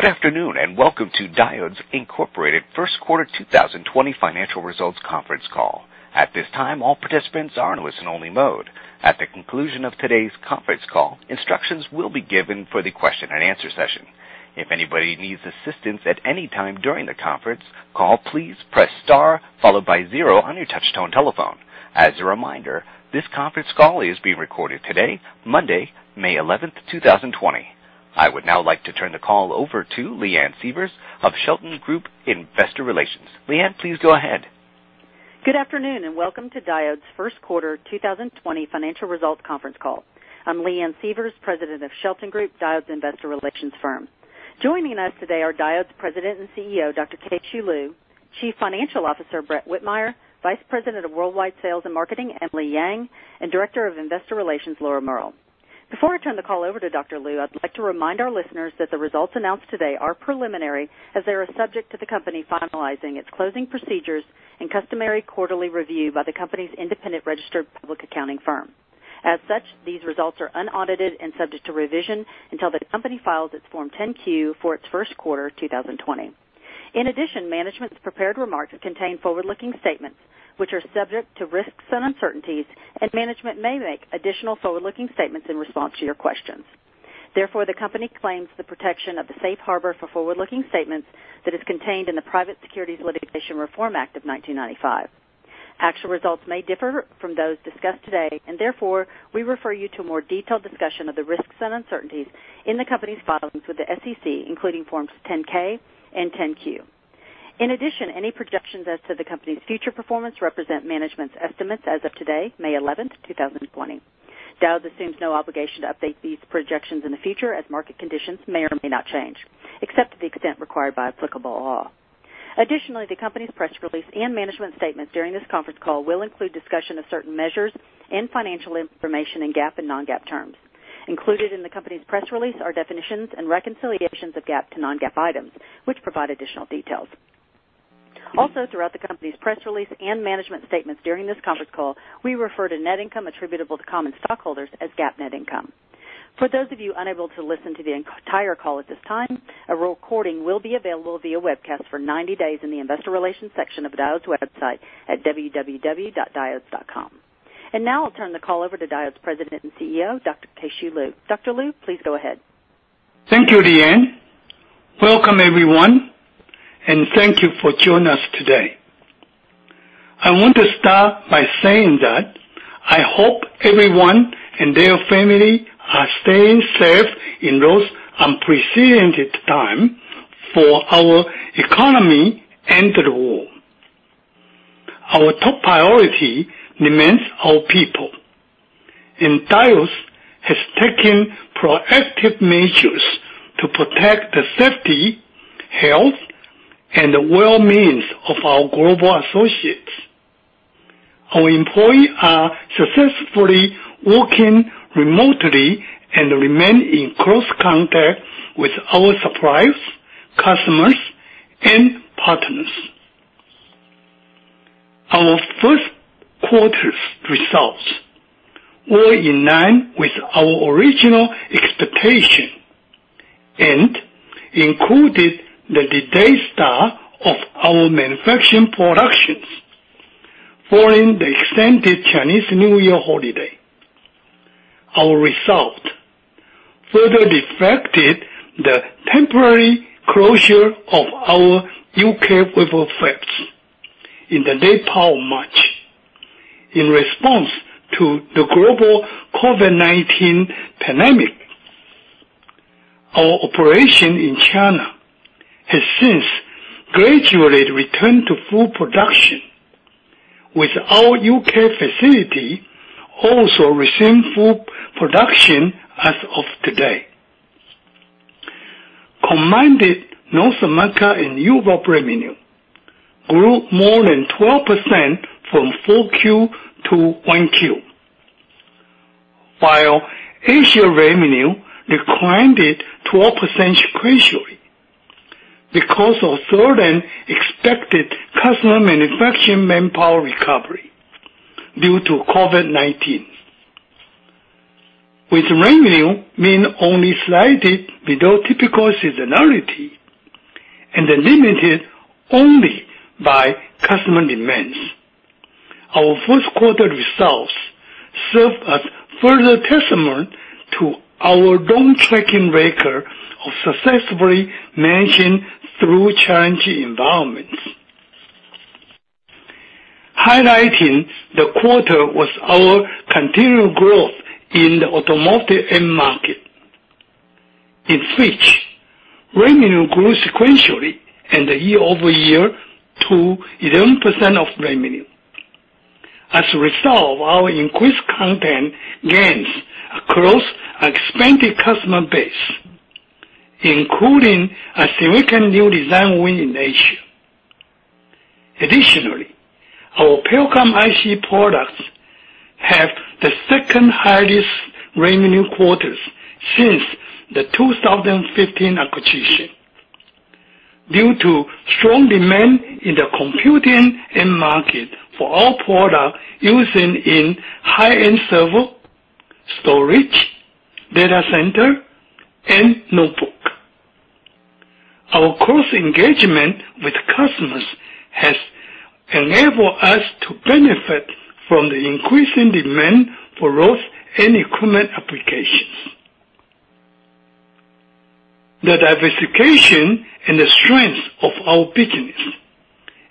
Good afternoon. Welcome to Diodes Incorporated First Quarter 2020 Financial Results Conference Call. At this time, all participants are in listen-only mode. At the conclusion of today's conference call, instructions will be given for the question and answer session. If anybody needs assistance at any time during the conference call, please press star followed by zero on your touch-tone telephone. As a reminder, this conference call is being recorded today, Monday, May 11th, 2020. I would now like to turn the call over to Leanne Sievers of Shelton Group Investor Relations. Leanne, please go ahead. Good afternoon, and welcome to Diodes First Quarter 2020 Financial Results Conference Call. I'm Leanne Sievers, President of Shelton Group, Diodes Investor Relations firm. Joining us today are Diodes President and CEO, Dr. Keh-Shew Lu, Chief Financial Officer, Brett Whitmire, Vice President of Worldwide Sales and Marketing, Emily Yang, and Director of Investor Relations, Laura Mehrl. Before I turn the call over to Dr. Lu, I'd like to remind our listeners that the results announced today are preliminary as they are subject to the company finalizing its closing procedures and customary quarterly review by the company's independent registered public accounting firm. As such, these results are unaudited and subject to revision until the company files its Form 10-Q for its first quarter 2020. Management's prepared remarks contain forward-looking statements which are subject to risks and uncertainties, and management may make additional forward-looking statements in response to your questions. Therefore, the company claims the protection of the safe harbor for forward-looking statements that is contained in the Private Securities Litigation Reform Act of 1995. Actual results may differ from those discussed today, and therefore, we refer you to a more detailed discussion of the risks and uncertainties in the company's filings with the SEC, including Forms 10-K and 10-Q. In addition, any projections as to the company's future performance represent management's estimates as of today, May 11th, 2020. Diodes assumes no obligation to update these projections in the future as market conditions may or may not change, except to the extent required by applicable law. Additionally, the company's press release and management statements during this conference call will include discussion of certain measures and financial information in GAAP and non-GAAP terms. Included in the company's press release are definitions and reconciliations of GAAP to non-GAAP items, which provide additional details. Also, throughout the company's press release and management statements during this conference call, we refer to net income attributable to common stockholders as GAAP net income. For those of you unable to listen to the entire call at this time, a recording will be available via webcast for 90 days in the Investor Relations section of Diodes' website at www.diodes.com. Now I'll turn the call over to Diodes' President and CEO, Dr. Keh-Shew Lu. Dr. Lu, please go ahead. Thank you, Leanne. Welcome everyone, and thank you for joining us today. I want to start by saying that I hope everyone and their family are staying safe in this unprecedented time for our economy and the world. Our top priority remains our people. Diodes has taken proactive measures to protect the safety, health, and the well-being of our global associates. Our employees are successfully working remotely and remain in close contact with our suppliers, customers, and partners. Our first quarter's results were in line with our original expectation and included the delayed start of our manufacturing productions following the extended Chinese New Year holiday. Our result further reflected the temporary closure of our U.K. wafer fabs in the late part of March in response to the global COVID-19 pandemic. Our operation in China has since gradually returned to full production, with our U.K. facility also resuming full production as of today. Combined North America and Europe revenue grew more than 12% from 4Q to 1Q, while Asia revenue declined 12% sequentially because of certain expected customer manufacturing manpower recovery due to COVID-19. With revenue being only slightly below typical seasonality and limited only by customer demands, our first quarter results serve as further testament to our long-tracking record of successfully managing through challenging environments. Highlighting the quarter was our continued growth in the automotive end market, in which revenue grew sequentially and year-over-year to 11% of revenue as a result of our increased content gains across expanded customer base, including a significant new design win in Asia. Our Pericom IC products have the second highest revenue quarters since the 2015 acquisition due to strong demand in the computing end market for our products using in high-end server, storage, data center, and notebook. Our close engagement with customers has enabled us to benefit from the increasing demand for those end equipment applications. The diversification and the strength of our business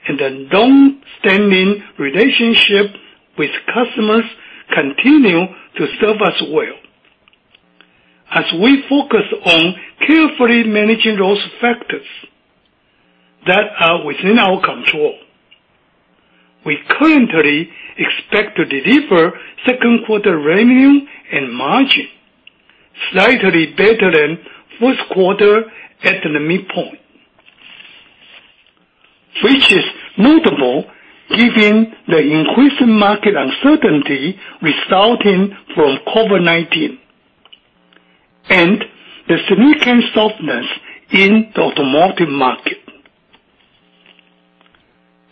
and the long-standing relationship with customers continue to serve us well. As we focus on carefully managing those factors that are within our control, we currently expect to deliver second quarter revenue and margin slightly better than first quarter at the midpoint, which is notable given the increased market uncertainty resulting from COVID-19 and the significant softness in the automotive market.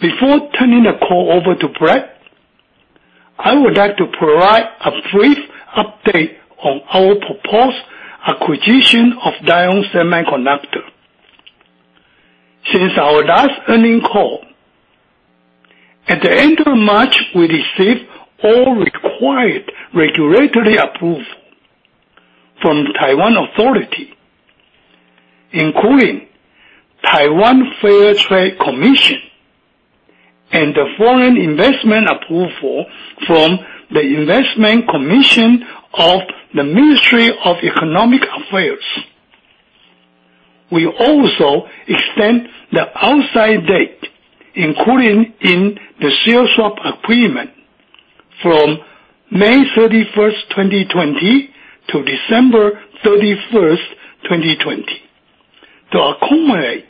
Before turning the call over to Brett, I would like to provide a brief update on our proposed acquisition of Lite-On Semiconductor. Since our last earnings call, at the end of March, we received all required regulatory approval from the Taiwan authority, including Taiwan Fair Trade Commission and the foreign investment approval from the Investment Commission of the Ministry of Economic Affairs. We also extend the outside date, including in the Share Swap Agreement from May 31st, 2020, to December 31st, 2020, to accommodate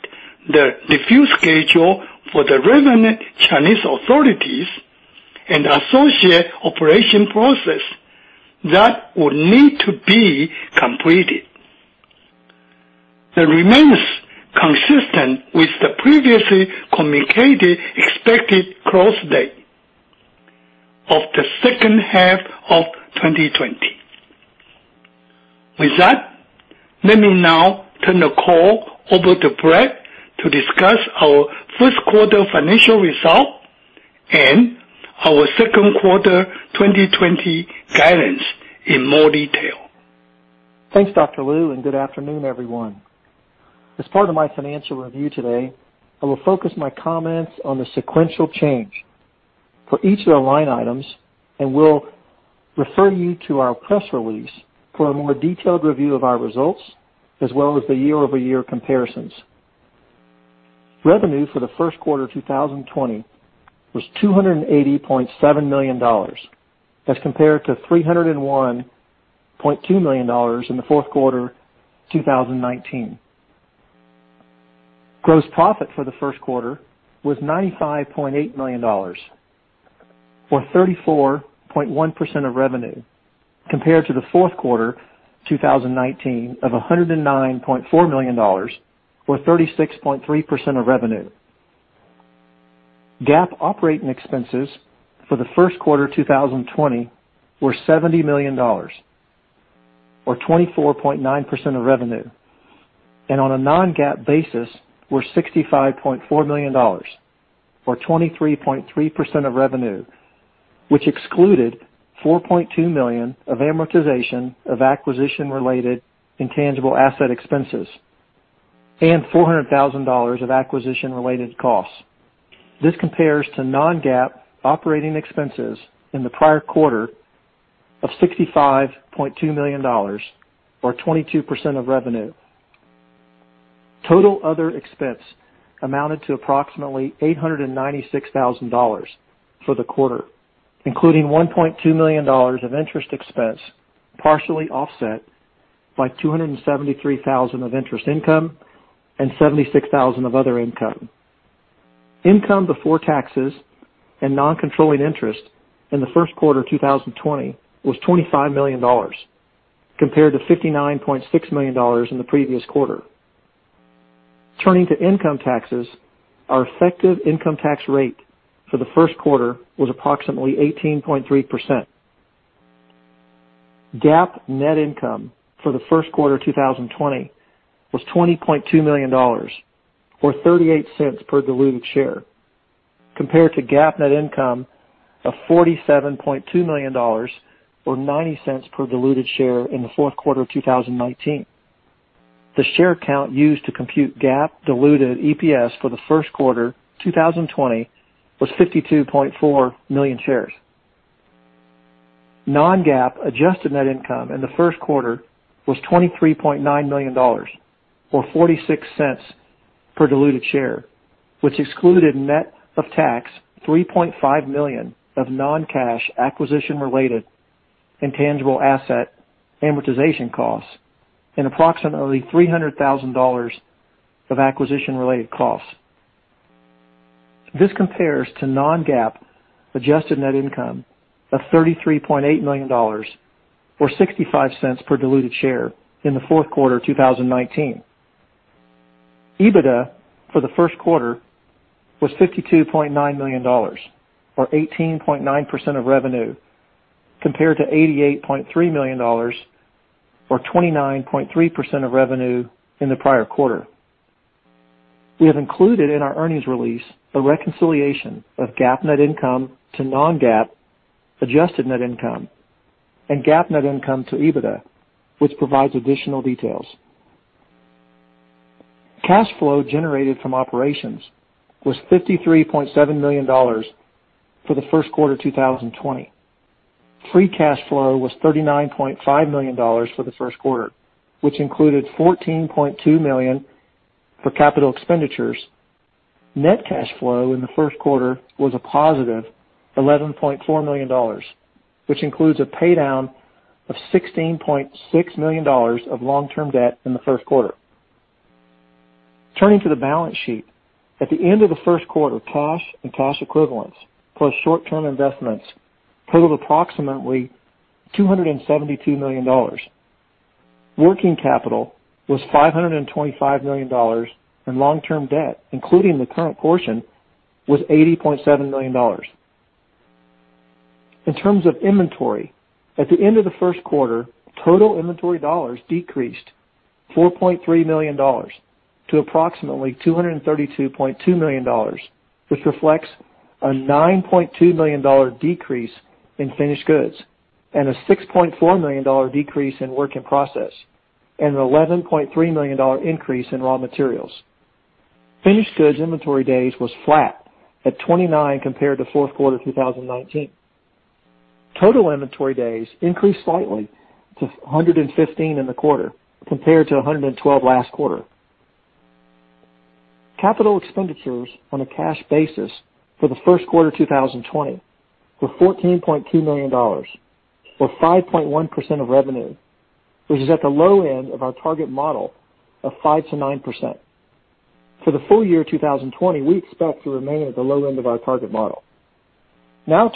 the review schedule for the relevant Chinese authorities and associate operation process that would need to be completed. It remains consistent with the previously communicated expected close date of the second half of 2020. With that, let me now turn the call over to Brett to discuss our first quarter financial results and our second quarter 2020 guidance in more detail. Thanks, Dr. Lu. Good afternoon, everyone. As part of my financial review today, I will focus my comments on the sequential change for each of the line items, and will refer you to our press release for a more detailed review of our results, as well as the year-over-year comparisons. Revenue for the first quarter 2020 was $280.7 million as compared to $301.2 million in the fourth quarter 2019. Gross profit for the first quarter was $95.8 million, or 34.1% of revenue, compared to the fourth quarter 2019 of $109.4 million, or 36.3% of revenue. GAAP operating expenses for the first quarter 2020 were $70 million, or 24.9% of revenue. On a non-GAAP basis, were $65.4 million, or 23.3% of revenue, which excluded $4.2 million of amortization of acquisition-related intangible asset expenses and $400,000 of acquisition-related costs. This compares to non-GAAP operating expenses in the prior quarter of $65.2 million, or 22% of revenue. Total other expense amounted to approximately $896,000 for the quarter, including $1.2 million of interest expense, partially offset by $273,000 of interest income and $76,000 of other income. Income before taxes and non-controlling interest in the first quarter 2020 was $25 million, compared to $59.6 million in the previous quarter. Turning to income taxes, our effective income tax rate for the first quarter was approximately 18.3%. GAAP net income for the first quarter 2020 was $20.2 million, or $0.38 per diluted share, compared to GAAP net income of $47.2 million, or $0.90 per diluted share in the fourth quarter of 2019. The share count used to compute GAAP diluted EPS for the first quarter 2020 was 52.4 million shares. Non-GAAP adjusted net income in the first quarter was $23.9 million, or $0.46 per diluted share, which excluded net of tax $3.5 million of non-cash acquisition-related intangible asset amortization costs and approximately $300,000 of acquisition-related costs. This compares to non-GAAP adjusted net income of $33.8 million, or $0.65 per diluted share in the fourth quarter 2019. EBITDA for the first quarter was $52.9 million, or 18.9% of revenue, compared to $88.3 million, or 29.3% of revenue in the prior quarter. We have included in our earnings release a reconciliation of GAAP net income to non-GAAP adjusted net income and GAAP net income to EBITDA, which provides additional details. Cash flow generated from operations was $53.7 million for the first quarter 2020. Free cash flow was $39.5 million for the first quarter, which included $14.2 million for capital expenditures. Net cash flow in the first quarter was a positive $11.4 million, which includes a paydown of $16.6 million of long-term debt in the first quarter. Turning to the balance sheet. At the end of the first quarter, cash and cash equivalents, plus short-term investments totaled approximately $272 million. Working capital was $525 million, and long-term debt, including the current portion, was $80.7 million. In terms of inventory, at the end of the first quarter, total inventory dollars decreased $4.3 million to approximately $232.2 million, which reflects a $9.2 million decrease in finished goods and a $6.4 million decrease in work in process, and an $11.3 million increase in raw materials. Finished goods inventory days was flat at 29 compared to fourth quarter 2019. Total inventory days increased slightly to 115 in the quarter, compared to 112 last quarter. Capital expenditures on a cash basis for the first quarter 2020 were $14.2 million, or 5.1% of revenue, which is at the low end of our target model of 5%-9%. For the full year 2020, we expect to remain at the low end of our target model.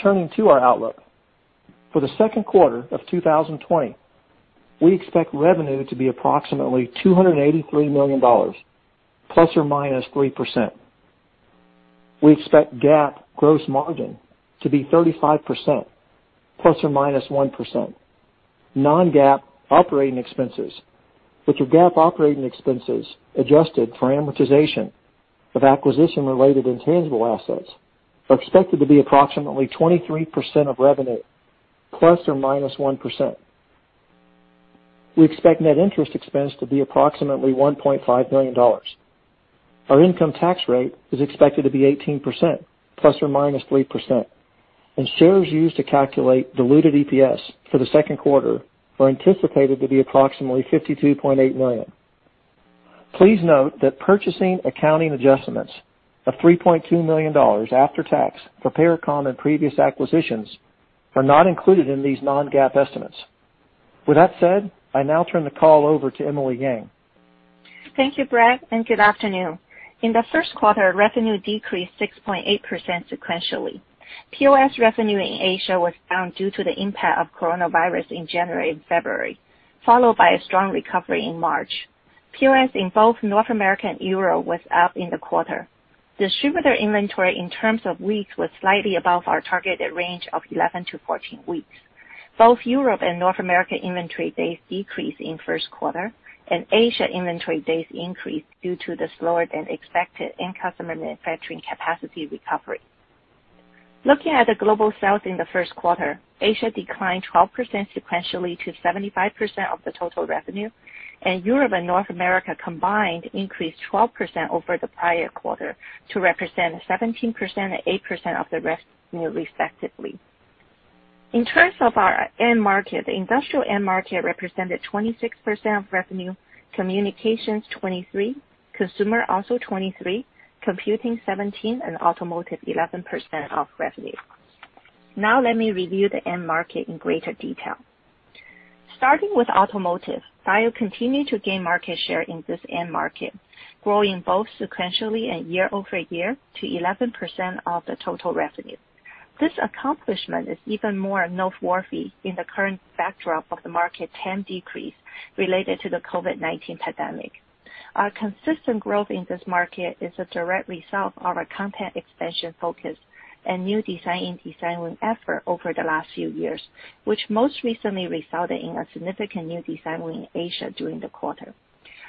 Turning to our outlook. For the second quarter of 2020, we expect revenue to be approximately $283 million, ±3%. We expect GAAP gross margin to be 35% ±1%. non-GAAP operating expenses, which are GAAP operating expenses adjusted for amortization of acquisition-related intangible assets, are expected to be approximately 23% of revenue ±1%. We expect net interest expense to be approximately $1.5 million. Our income tax rate is expected to be 18% ± 3%, and shares used to calculate diluted EPS for the second quarter are anticipated to be approximately 52.8 million. Please note that purchasing accounting adjustments of $3.2 million after tax for Pericom and previous acquisitions are not included in these non-GAAP estimates. With that said, I now turn the call over to Emily Yang. Thank you, Brett. Good afternoon. In the first quarter, revenue decreased 6.8% sequentially. POS revenue in Asia was down due to the impact of coronavirus in January and February, followed by a strong recovery in March. POS in both North America and Europe was up in the quarter. Distributor inventory in terms of weeks was slightly above our targeted range of 11-14 weeks. Both Europe and North America inventory days decreased in first quarter, and Asia inventory days increased due to the slower-than-expected end customer manufacturing capacity recovery. Looking at the global sales in the first quarter, Asia declined 12% sequentially to 75% of the total revenue, and Europe and North America combined increased 12% over the prior quarter to represent 17% and 8% of the revenue respectively. In terms of our end market, the industrial end market represented 26% of revenue, communications 23%, consumer also 23%, computing 17%, and automotive 11% of revenue. Let me review the end market in greater detail. Starting with automotive, Diodes continued to gain market share in this end market, growing both sequentially and year-over-year to 11% of the total revenue. This accomplishment is even more noteworthy in the current backdrop of the market TAM decrease related to the COVID-19 pandemic. Our consistent growth in this market is a direct result of our content expansion focus and new design-in effort over the last few years, which most recently resulted in a significant new design win in Asia during the quarter.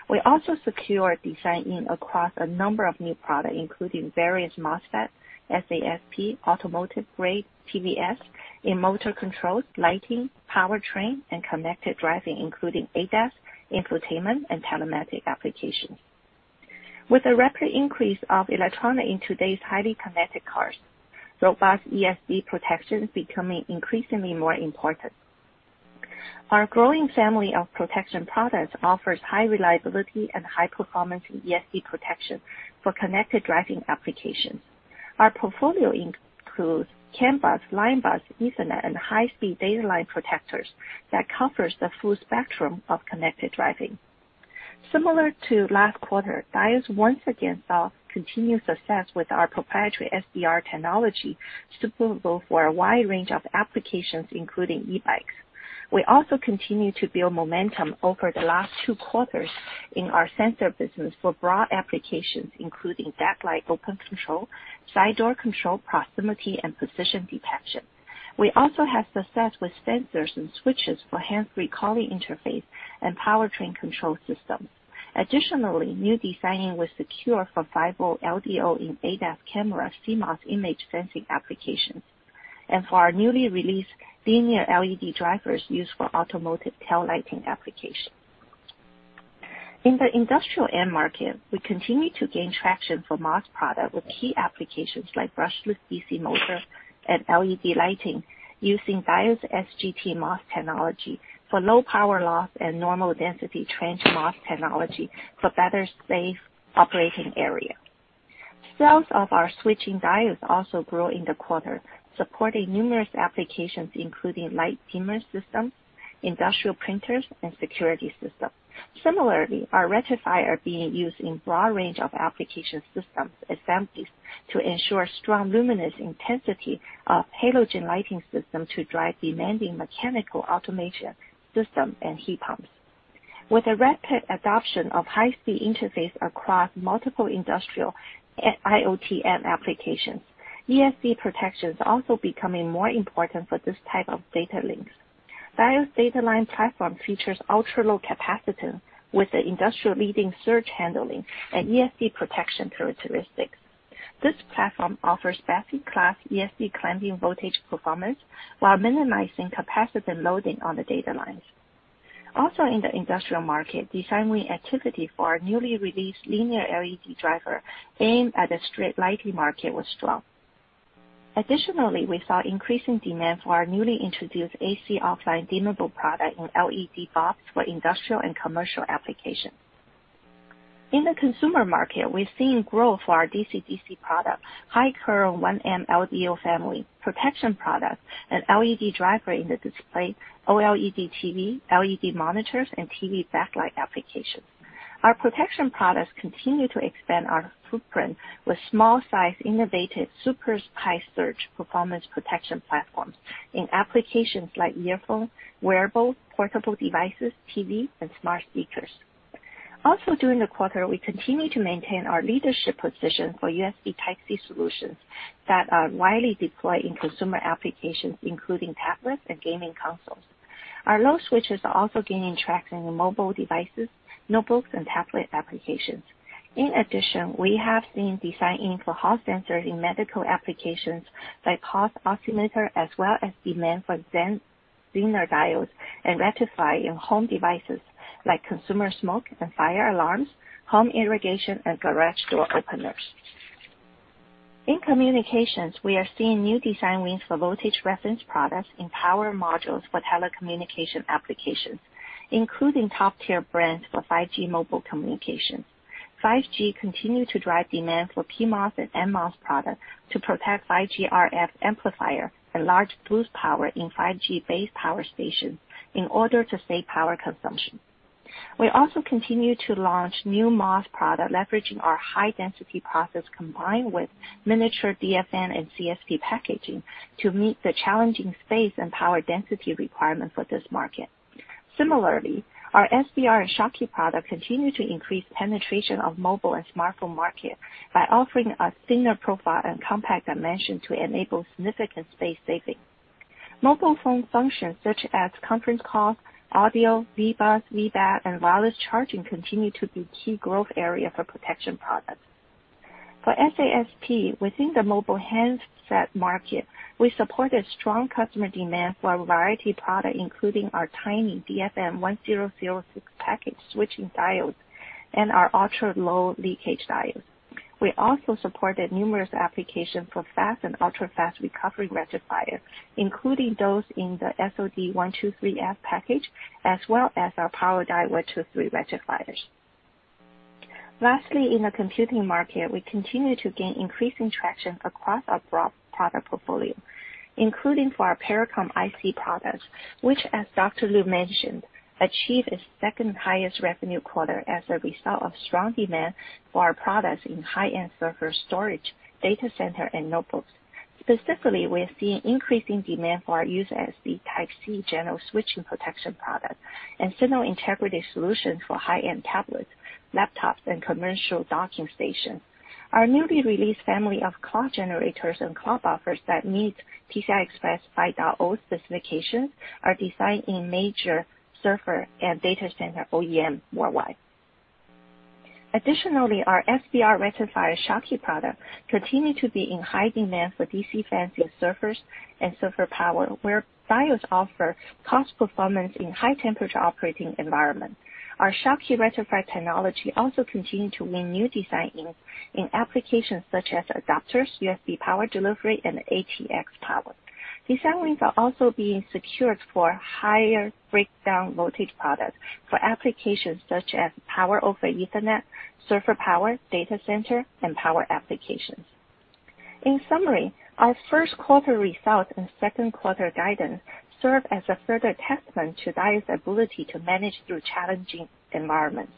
We also secured design-in across a number of new product, including various MOSFET, SASP automotive-grade TVS in motor controls, lighting, powertrain, and connected driving, including ADAS, infotainment, and telematic applications. With the rapid increase of electronic in today's highly connected cars, robust ESD protection is becoming increasingly more important. Our growing family of protection products offers high reliability and high performance ESD protection for connected driving applications. Our portfolio includes CAN Bus, LIN Bus, Ethernet, and high-speed data line protectors that covers the full spectrum of connected driving. Similar to last quarter, Diodes once again saw continued success with our proprietary SBR technology, suitable for a wide range of applications, including e-bikes. We also continue to build momentum over the last two quarters in our sensor business for broad applications, including backlight open control, side door control, proximity, and position detection. We also have success with sensors and switches for hands-free calling interface and powertrain control systems. Additionally, new design-ins were secured for 5-volt LDO in ADAS camera CMOS image sensing applications, and for our newly released linear LED drivers used for automotive tail lighting application. In the industrial end market, we continue to gain traction for MOS product with key applications like brushless DC motor and LED lighting using Diodes SGT MOS technology for low power loss and normal density Trench MOS technology for better safe operating area. Sales of our switching diodes also grew in the quarter, supporting numerous applications, including light dimmer systems, industrial printers, and security systems. Similarly, our rectifier being used in broad range of application systems assemblies to ensure strong luminous intensity of halogen lighting system to drive demanding mechanical automation system and heat pumps. With the rapid adoption of high-speed interface across multiple industrial and IoT end applications, ESD protection is also becoming more important for this type of data links. Diodes data line platform features ultra-low capacitance with the industry-leading surge handling and ESD protection characteristics. This platform offers best-in-class ESD clamping voltage performance while minimizing capacitance loading on the data lines. In the industrial market, design win activity for our newly released linear LED driver aimed at the street lighting market was strong. Additionally, we saw increasing demand for our newly introduced AC offline dimmable product in LED bulbs for industrial and commercial applications. In the consumer market, we're seeing growth for our DC-DC product, high current 1 amp LDO family protection product, and LED driver in the display OLED TV, LED monitors, and TV backlight applications. Our protection products continue to expand our footprint with small size, innovative super high surge performance protection platforms in applications like earphones, wearables, portable devices, TVS, and smart speakers. Also, during the quarter, we continue to maintain our leadership position for USB Type-C solutions that are widely deployed in consumer applications, including tablets and gaming consoles. Our load switches are also gaining traction in mobile devices, notebooks, and tablet applications. In addition, we have seen design-in for Hall sensors in medical applications like pulse oximeter, as well as demand for Zener diodes and rectifier in home devices like consumer smoke and fire alarms, home irrigation, and garage door openers. In communications, we are seeing new design wins for voltage reference products in power modules for telecommunication applications, including top-tier brands for 5G mobile communication. 5G continue to drive demand for PMOS and NMOS products to protect 5G RF amplifier and large boost power in 5G-based power stations in order to save power consumption. We also continue to launch new MOS product, leveraging our high-density process, combined with miniature DFN and CSP packaging to meet the challenging space and power density requirements for this market. Similarly, our SBR and Schottky products continue to increase penetration of mobile and smartphone market by offering a thinner profile and compact dimension to enable significant space saving. Mobile phone functions such as conference calls, audio, VBUS, VBAT, and wireless charging continue to be key growth area for protection products. For SASP, within the mobile handset market, we supported strong customer demand for a variety of product, including our tiny DFN1006 package switching diodes and our ultra-low leakage diodes. We also supported numerous applications for fast and ultra-fast recovery rectifiers, including those in the SOD123F package, as well as our PowerDI 123 rectifiers. Lastly, in the computing market, we continue to gain increasing traction across our broad product portfolio, including for our Pericom IC products, which, as Dr. Lu mentioned, achieved its second highest revenue quarter as a result of strong demand for our products in high-end server storage, data center, and notebooks. Specifically, we are seeing increasing demand for our USB Type-C general switching protection product and signal integrity solutions for high-end tablets, laptops, and commercial docking stations. Our newly released family of clock generators and clock buffers that meet PCI Express 5.0 specifications are designed in major server and data center OEM worldwide. Additionally, our SBR rectifier Schottky products continue to be in high demand for DC fans in servers and server power, where Diodes offer cost performance in high-temperature operating environment. Our Schottky rectifier technology also continue to win new design-ins in applications such as adapters, USB power delivery, and ATX power. Design wins are also being secured for higher breakdown voltage products for applications such as Power-over-Ethernet, server power, data center, and power applications. In summary, our first quarter results and second quarter guidance serve as a further testament to Diodes' ability to manage through challenging environments.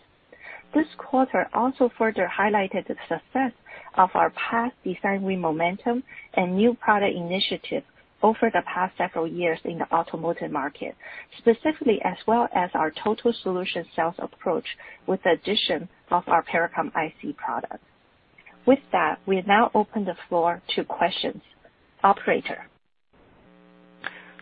This quarter also further highlighted the success of our past design win momentum and new product initiatives over the past several years in the automotive market, specifically as well as our total solution sales approach, with the addition of our Pericom IC products. With that, we now open the floor to questions. Operator?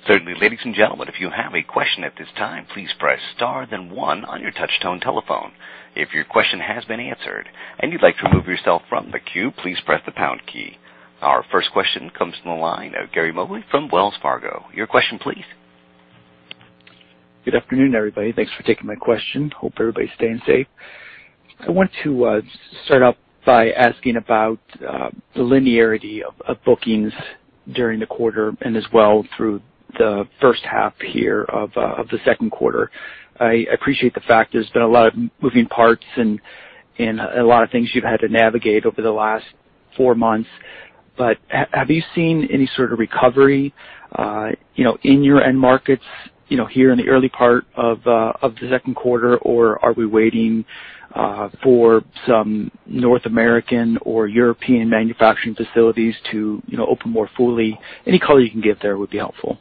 Certainly. Ladies and gentlemen, if you have a question at this time, please press star then one on your touch tone telephone. If your question has been answered and you'd like to remove yourself from the queue, please press the pound key. Our first question comes from the line of Gary Mobley from Wells Fargo. Your question please. Good afternoon, everybody. Thanks for taking my question. Hope everybody's staying safe. I want to start off by asking about the linearity of bookings during the quarter and as well through the first half here of the second quarter. I appreciate the fact there's been a lot of moving parts and a lot of things you've had to navigate over the last four months. Have you seen any sort of recovery in your end markets here in the early part of the second quarter, or are we waiting for some North American or European manufacturing facilities to open more fully? Any color you can give there would be helpful.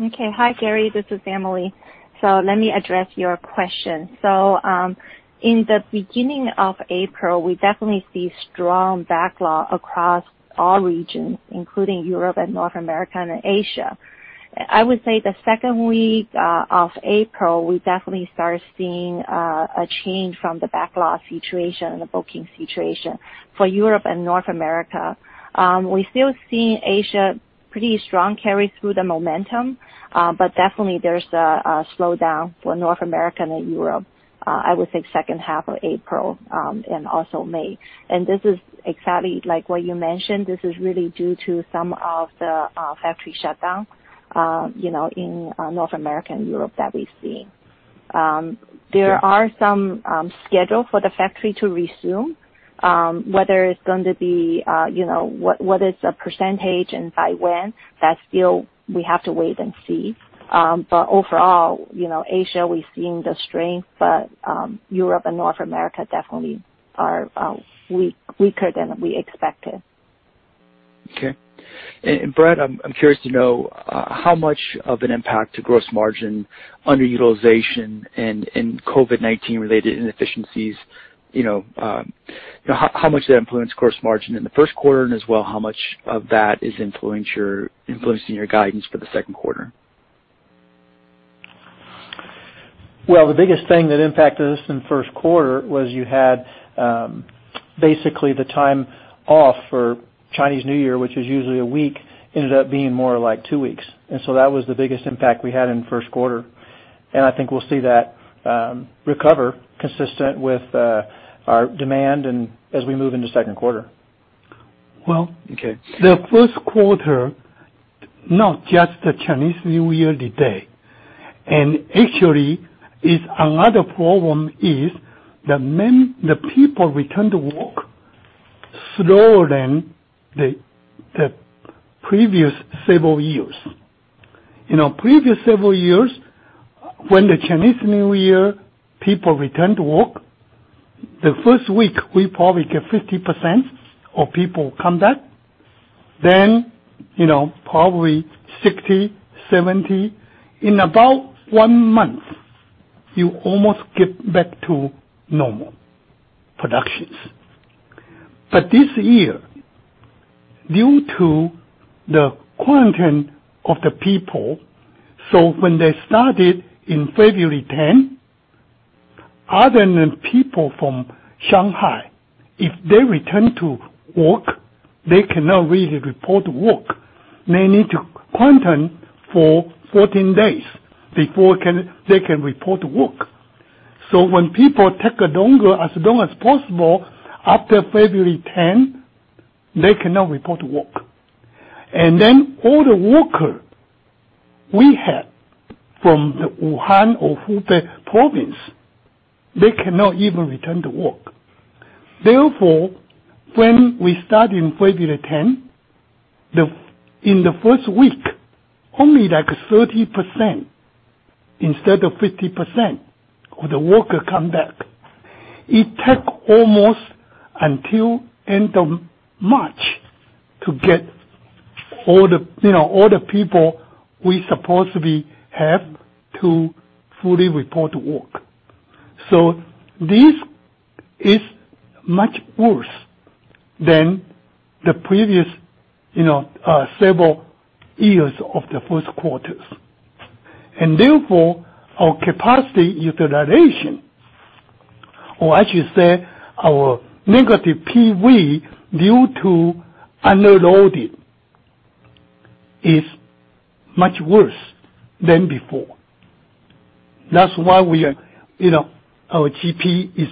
Okay. Hi, Gary. This is Emily. Let me address your question. In the beginning of April, we definitely see strong backlog across all regions, including Europe and North America and Asia. I would say the second week of April, we definitely started seeing a change from the backlog situation and the booking situation for Europe and North America. We still see Asia pretty strong carry through the momentum, but definitely there's a slowdown for North America and Europe, I would say second half of April, and also May. This is exactly like what you mentioned. This is really due to some of the factory shutdowns in North America and Europe that we've seen. There are some schedule for the factory to resume. Whether it's going to be what is the percentage and by when, that still we have to wait and see. Overall, Asia, we're seeing the strength, but Europe and North America definitely are weaker than we expected. Okay. Brett, I'm curious to know how much of an impact to gross margin underutilization and COVID-19 related inefficiencies, how much does that influence gross margin in the first quarter and as well how much of that is influencing your guidance for the second quarter? Well, the biggest thing that impacted us in the first quarter was you had basically the time off for Chinese New Year, which is usually a week, ended up being more like two weeks. That was the biggest impact we had in the first quarter. I think we'll see that recover consistent with our demand and as we move into second quarter. Well- Okay The first quarter, not just the Chinese New Year day. Actually, another problem is the people return to work slower than the previous several years. Previous several years, when the Chinese New Year people return to work, the first week we probably get 50% of people come back, then probably 60%, 70%. In about one month, you almost get back to normal productions. This year, due to the quarantine of the people, when they started in February 10, other than people from Shanghai, if they return to work, they cannot really report to work. They need to quarantine for 14 days before they can report to work. When people take longer than possible after February 10, they cannot report to work. All the worker we had from the Wuhan or Hubei province, they cannot even return to work. When we start in February 10, in the first week, only like 30%, instead of 50% of the worker come back. It take almost until end of March to get all the people we supposed to be have to fully report to work. This is much worse than the previous several years of the first quarters. Our capacity utilization, or I should say our negative PV, due to underloading, is much worse than before. Our GP is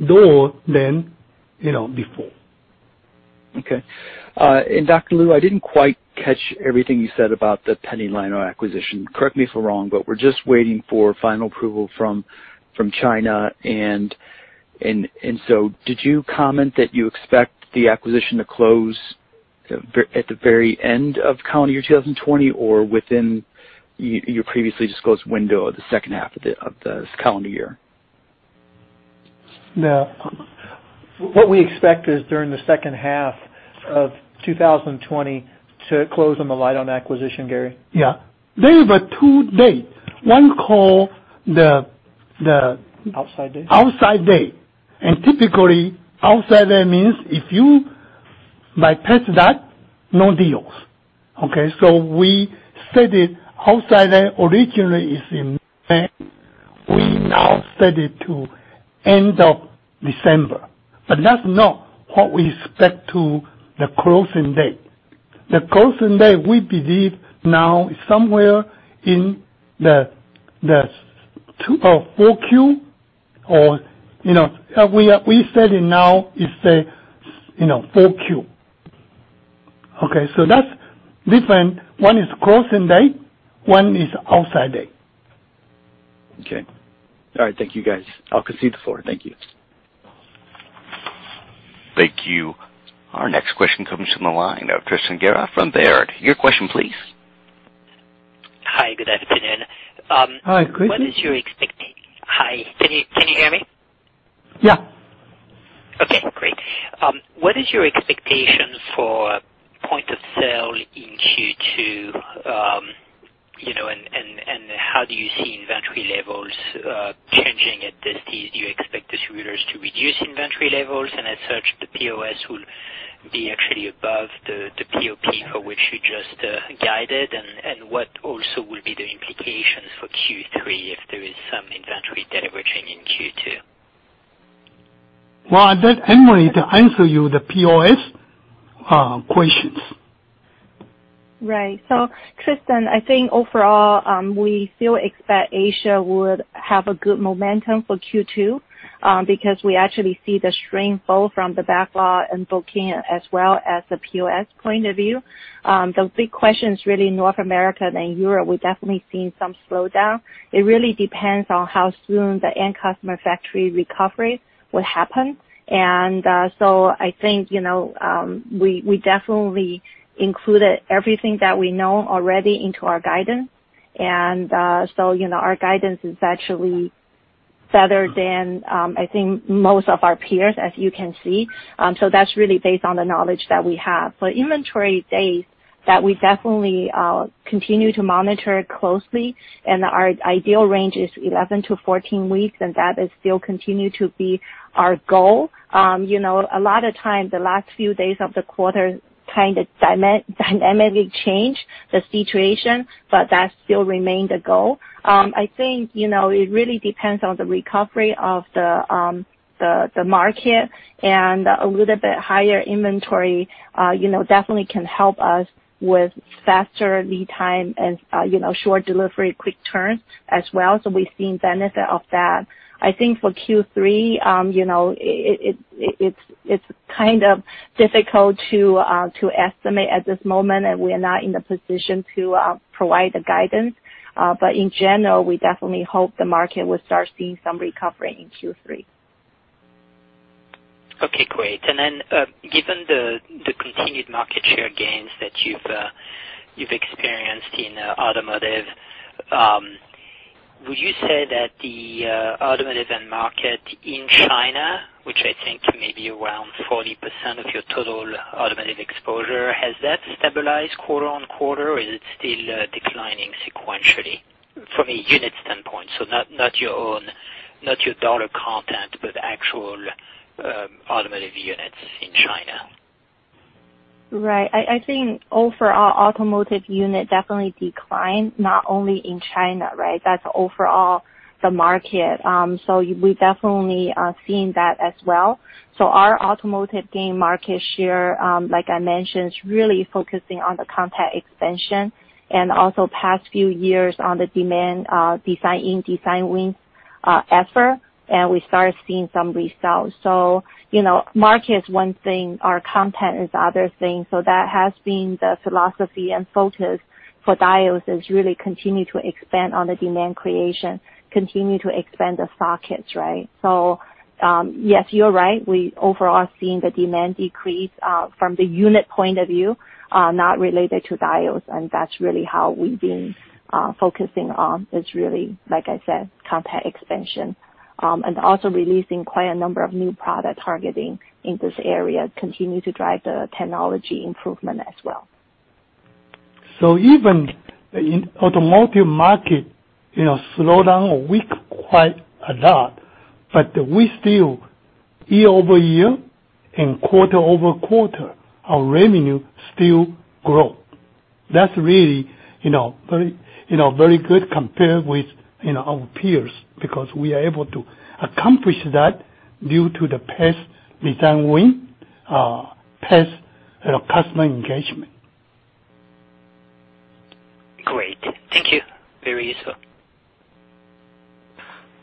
lower than before. Okay. Dr. Lu, I didn't quite catch everything you said about the pending Lite-On acquisition. Correct me if I'm wrong, we're just waiting for final approval from China. Did you comment that you expect the acquisition to close at the very end of calendar year 2020 or within your previously disclosed window of the second half of this calendar year? No. What we expect is during the second half of 2020 to close on the Lite-On acquisition, Gary. Yeah. There are two dates, one called- Outside date. the outside date. Typically, outside date means if you pass that, no deals. Okay? We set it, outside date originally is in May. We now set it to end of December. That's not what we expect to the closing date. The closing date, we believe now is somewhere in the 4Q. We set it now, it say 4Q. Okay? That's different. One is closing date, one is outside date. Okay. All right. Thank you, guys. I'll concede the floor. Thank you. Thank you. Our next question comes from the line of Tristan Gerra from Baird. Your question, please. Hi, good afternoon. Hi, Tristan. Hi, can you hear me? Yeah. Okay, great. What is your expectation for point of sale in Q2, and how do you see inventory levels changing at this? Do you expect distributors to reduce inventory levels and as such, the POS will be actually above the POP for which you just guided? What also will be the implications for Q3 if there is some inventory delivery change in Q2? Well, I'll let Emily to answer you the POS questions. Right. Tristan, I think overall, we still expect Asia would have a good momentum for Q2, because we actually see the strength both from the backlog in booking as well as the POS point of view. The big question is really North America and Europe. We're definitely seeing some slowdown. It really depends on how soon the end customer factory recovery will happen. I think, we definitely included everything that we know already into our guidance. Our guidance is actually better than, I think, most of our peers, as you can see. That's really based on the knowledge that we have. For inventory days, that we definitely continue to monitor closely, and our ideal range is 11-14 weeks, and that is still continue to be our goal. A lot of times, the last few days of the quarter kind of dynamically change the situation, but that still remained the goal. I think it really depends on the recovery of the market and a little bit higher inventory definitely can help us with faster lead time and short delivery, quick turn as well. We've seen benefit of that. I think for Q3, it's kind of difficult to estimate at this moment, and we're not in the position to provide the guidance. In general, we definitely hope the market will start seeing some recovery in Q3. Okay, great. Given the continued market share gains that you've experienced in automotive, would you say that the automotive end market in China, which I think may be around 40% of your total automotive exposure, has that stabilized quarter-on-quarter, or is it still declining sequentially from a unit standpoint? Not your dollar content, but actual automotive units in China. Right. I think overall, automotive unit definitely declined, not only in China, right? That's overall the market. We've definitely seen that as well. Our automotive gain market share, like I mentioned, is really focusing on the content expansion and also past few years on the demand design in, design win effort, and we start seeing some results. Market is one thing, our content is other thing. That has been the philosophy and focus for Diodes is really continue to expand on the demand creation, continue to expand the sockets, right? Yes, you're right. We overall have seen the demand decrease from the unit point of view, not related to Diodes, and that's really how we've been focusing on is really, like I said, content expansion. Also releasing quite a number of new product targeting in this area, continue to drive the technology improvement as well. Even in automotive market, slowdown or weak quite a lot, but we still, year-over-year and quarter-over-quarter, our revenue still grow. That's really very good compared with our peers, because we are able to accomplish that due to the past design win, past customer engagement. Great. Thank you. Very useful.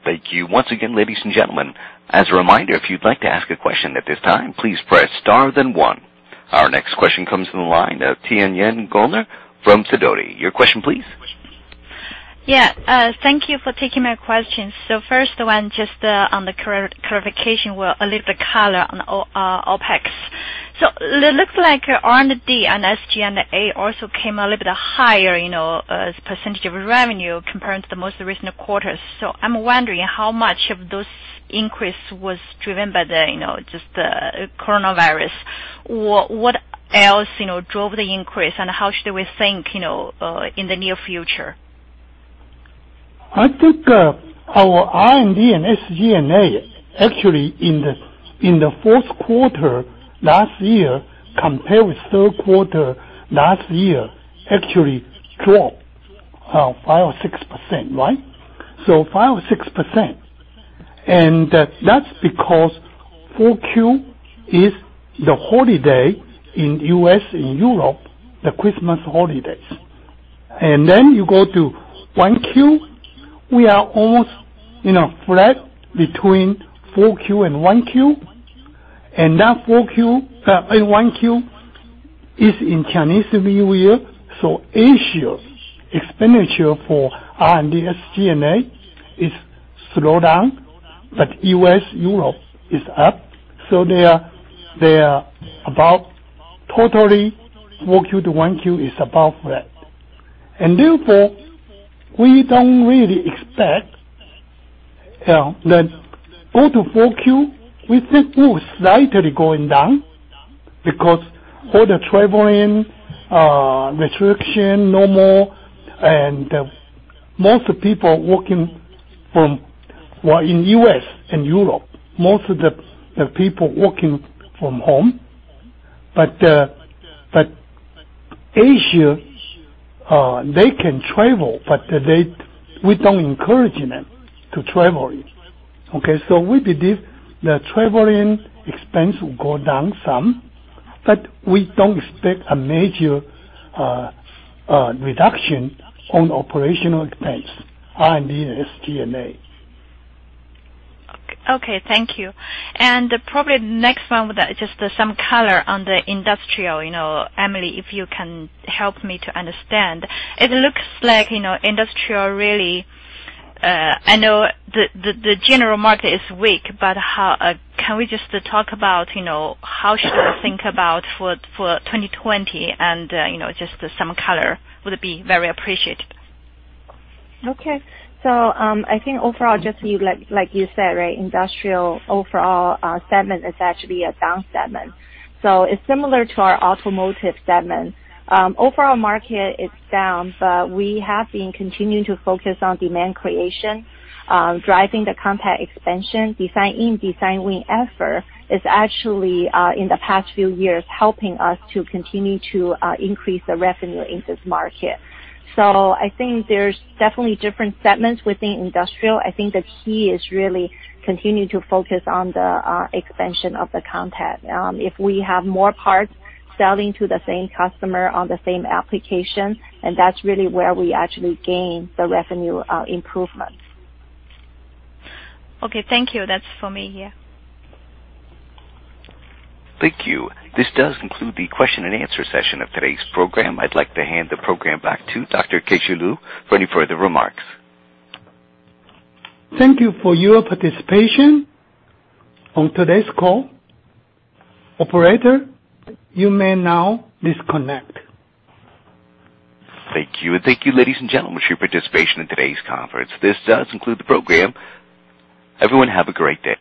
Thank you once again, ladies and gentlemen. As a reminder, if you'd like to ask a question at this time, please press star then one. Our next question comes from the line, Tianyan Goellner from Sidoti. Your question, please? Yeah. Thank you for taking my questions. First one, just on the clarification, a little bit color on OpEx. It looks like R&D and SG&A also came a little bit higher as percentage of revenue compared to the most recent quarters. I'm wondering how much of those increase was driven by just the COVID-19? What else drove the increase, and how should we think in the near future? I think our R&D and SG&A, actually in the fourth quarter last year compared with third quarter last year, actually strong 5% or 6%, right? 5% or 6%. That's because 4Q is the holiday in U.S. and Europe, the Christmas holidays. You go to 1Q, we are almost flat between 4Q and 1Q. 1Q is in Chinese New Year, Asia expenditure for R&D, SG&A is slowed down, U.S., Europe is up. They are about totally 4Q to 1Q is about flat. We don't really expect that due to 4Q, we think it will slightly going down because all the traveling restriction, no more, and well, in U.S. and Europe, most of the people working from home. Asia, they can travel, but we don't encourage them to travel. Okay? We believe the traveling expense will go down some, but we don't expect a major reduction on operational expense, R&D, and SG&A. Okay, thank you. Probably next one with just some color on the industrial. Emily, if you can help me to understand. It looks like industrial really I know the general market is weak, but can we just talk about how should I think about for 2020 and just some color would be very appreciated. Okay. I think overall, just like you said, industrial overall segment is actually a down segment. It's similar to our automotive segment. Overall market is down, but we have been continuing to focus on demand creation, driving the content expansion, design-in, design win effort is actually, in the past few years, helping us to continue to increase the revenue in this market. I think there's definitely different segments within industrial. I think the key is really continuing to focus on the expansion of the content. If we have more parts selling to the same customer on the same application, and that's really where we actually gain the revenue improvements. Okay, thank you. That's for me. Yeah. Thank you. This does conclude the question and answer session of today's program. I'd like to hand the program back to Dr. Keh-Shew Lu for any further remarks. Thank you for your participation on today's call. Operator, you may now disconnect. Thank you. Thank you, ladies and gentlemen, for your participation in today's conference. This does conclude the program. Everyone have a great day.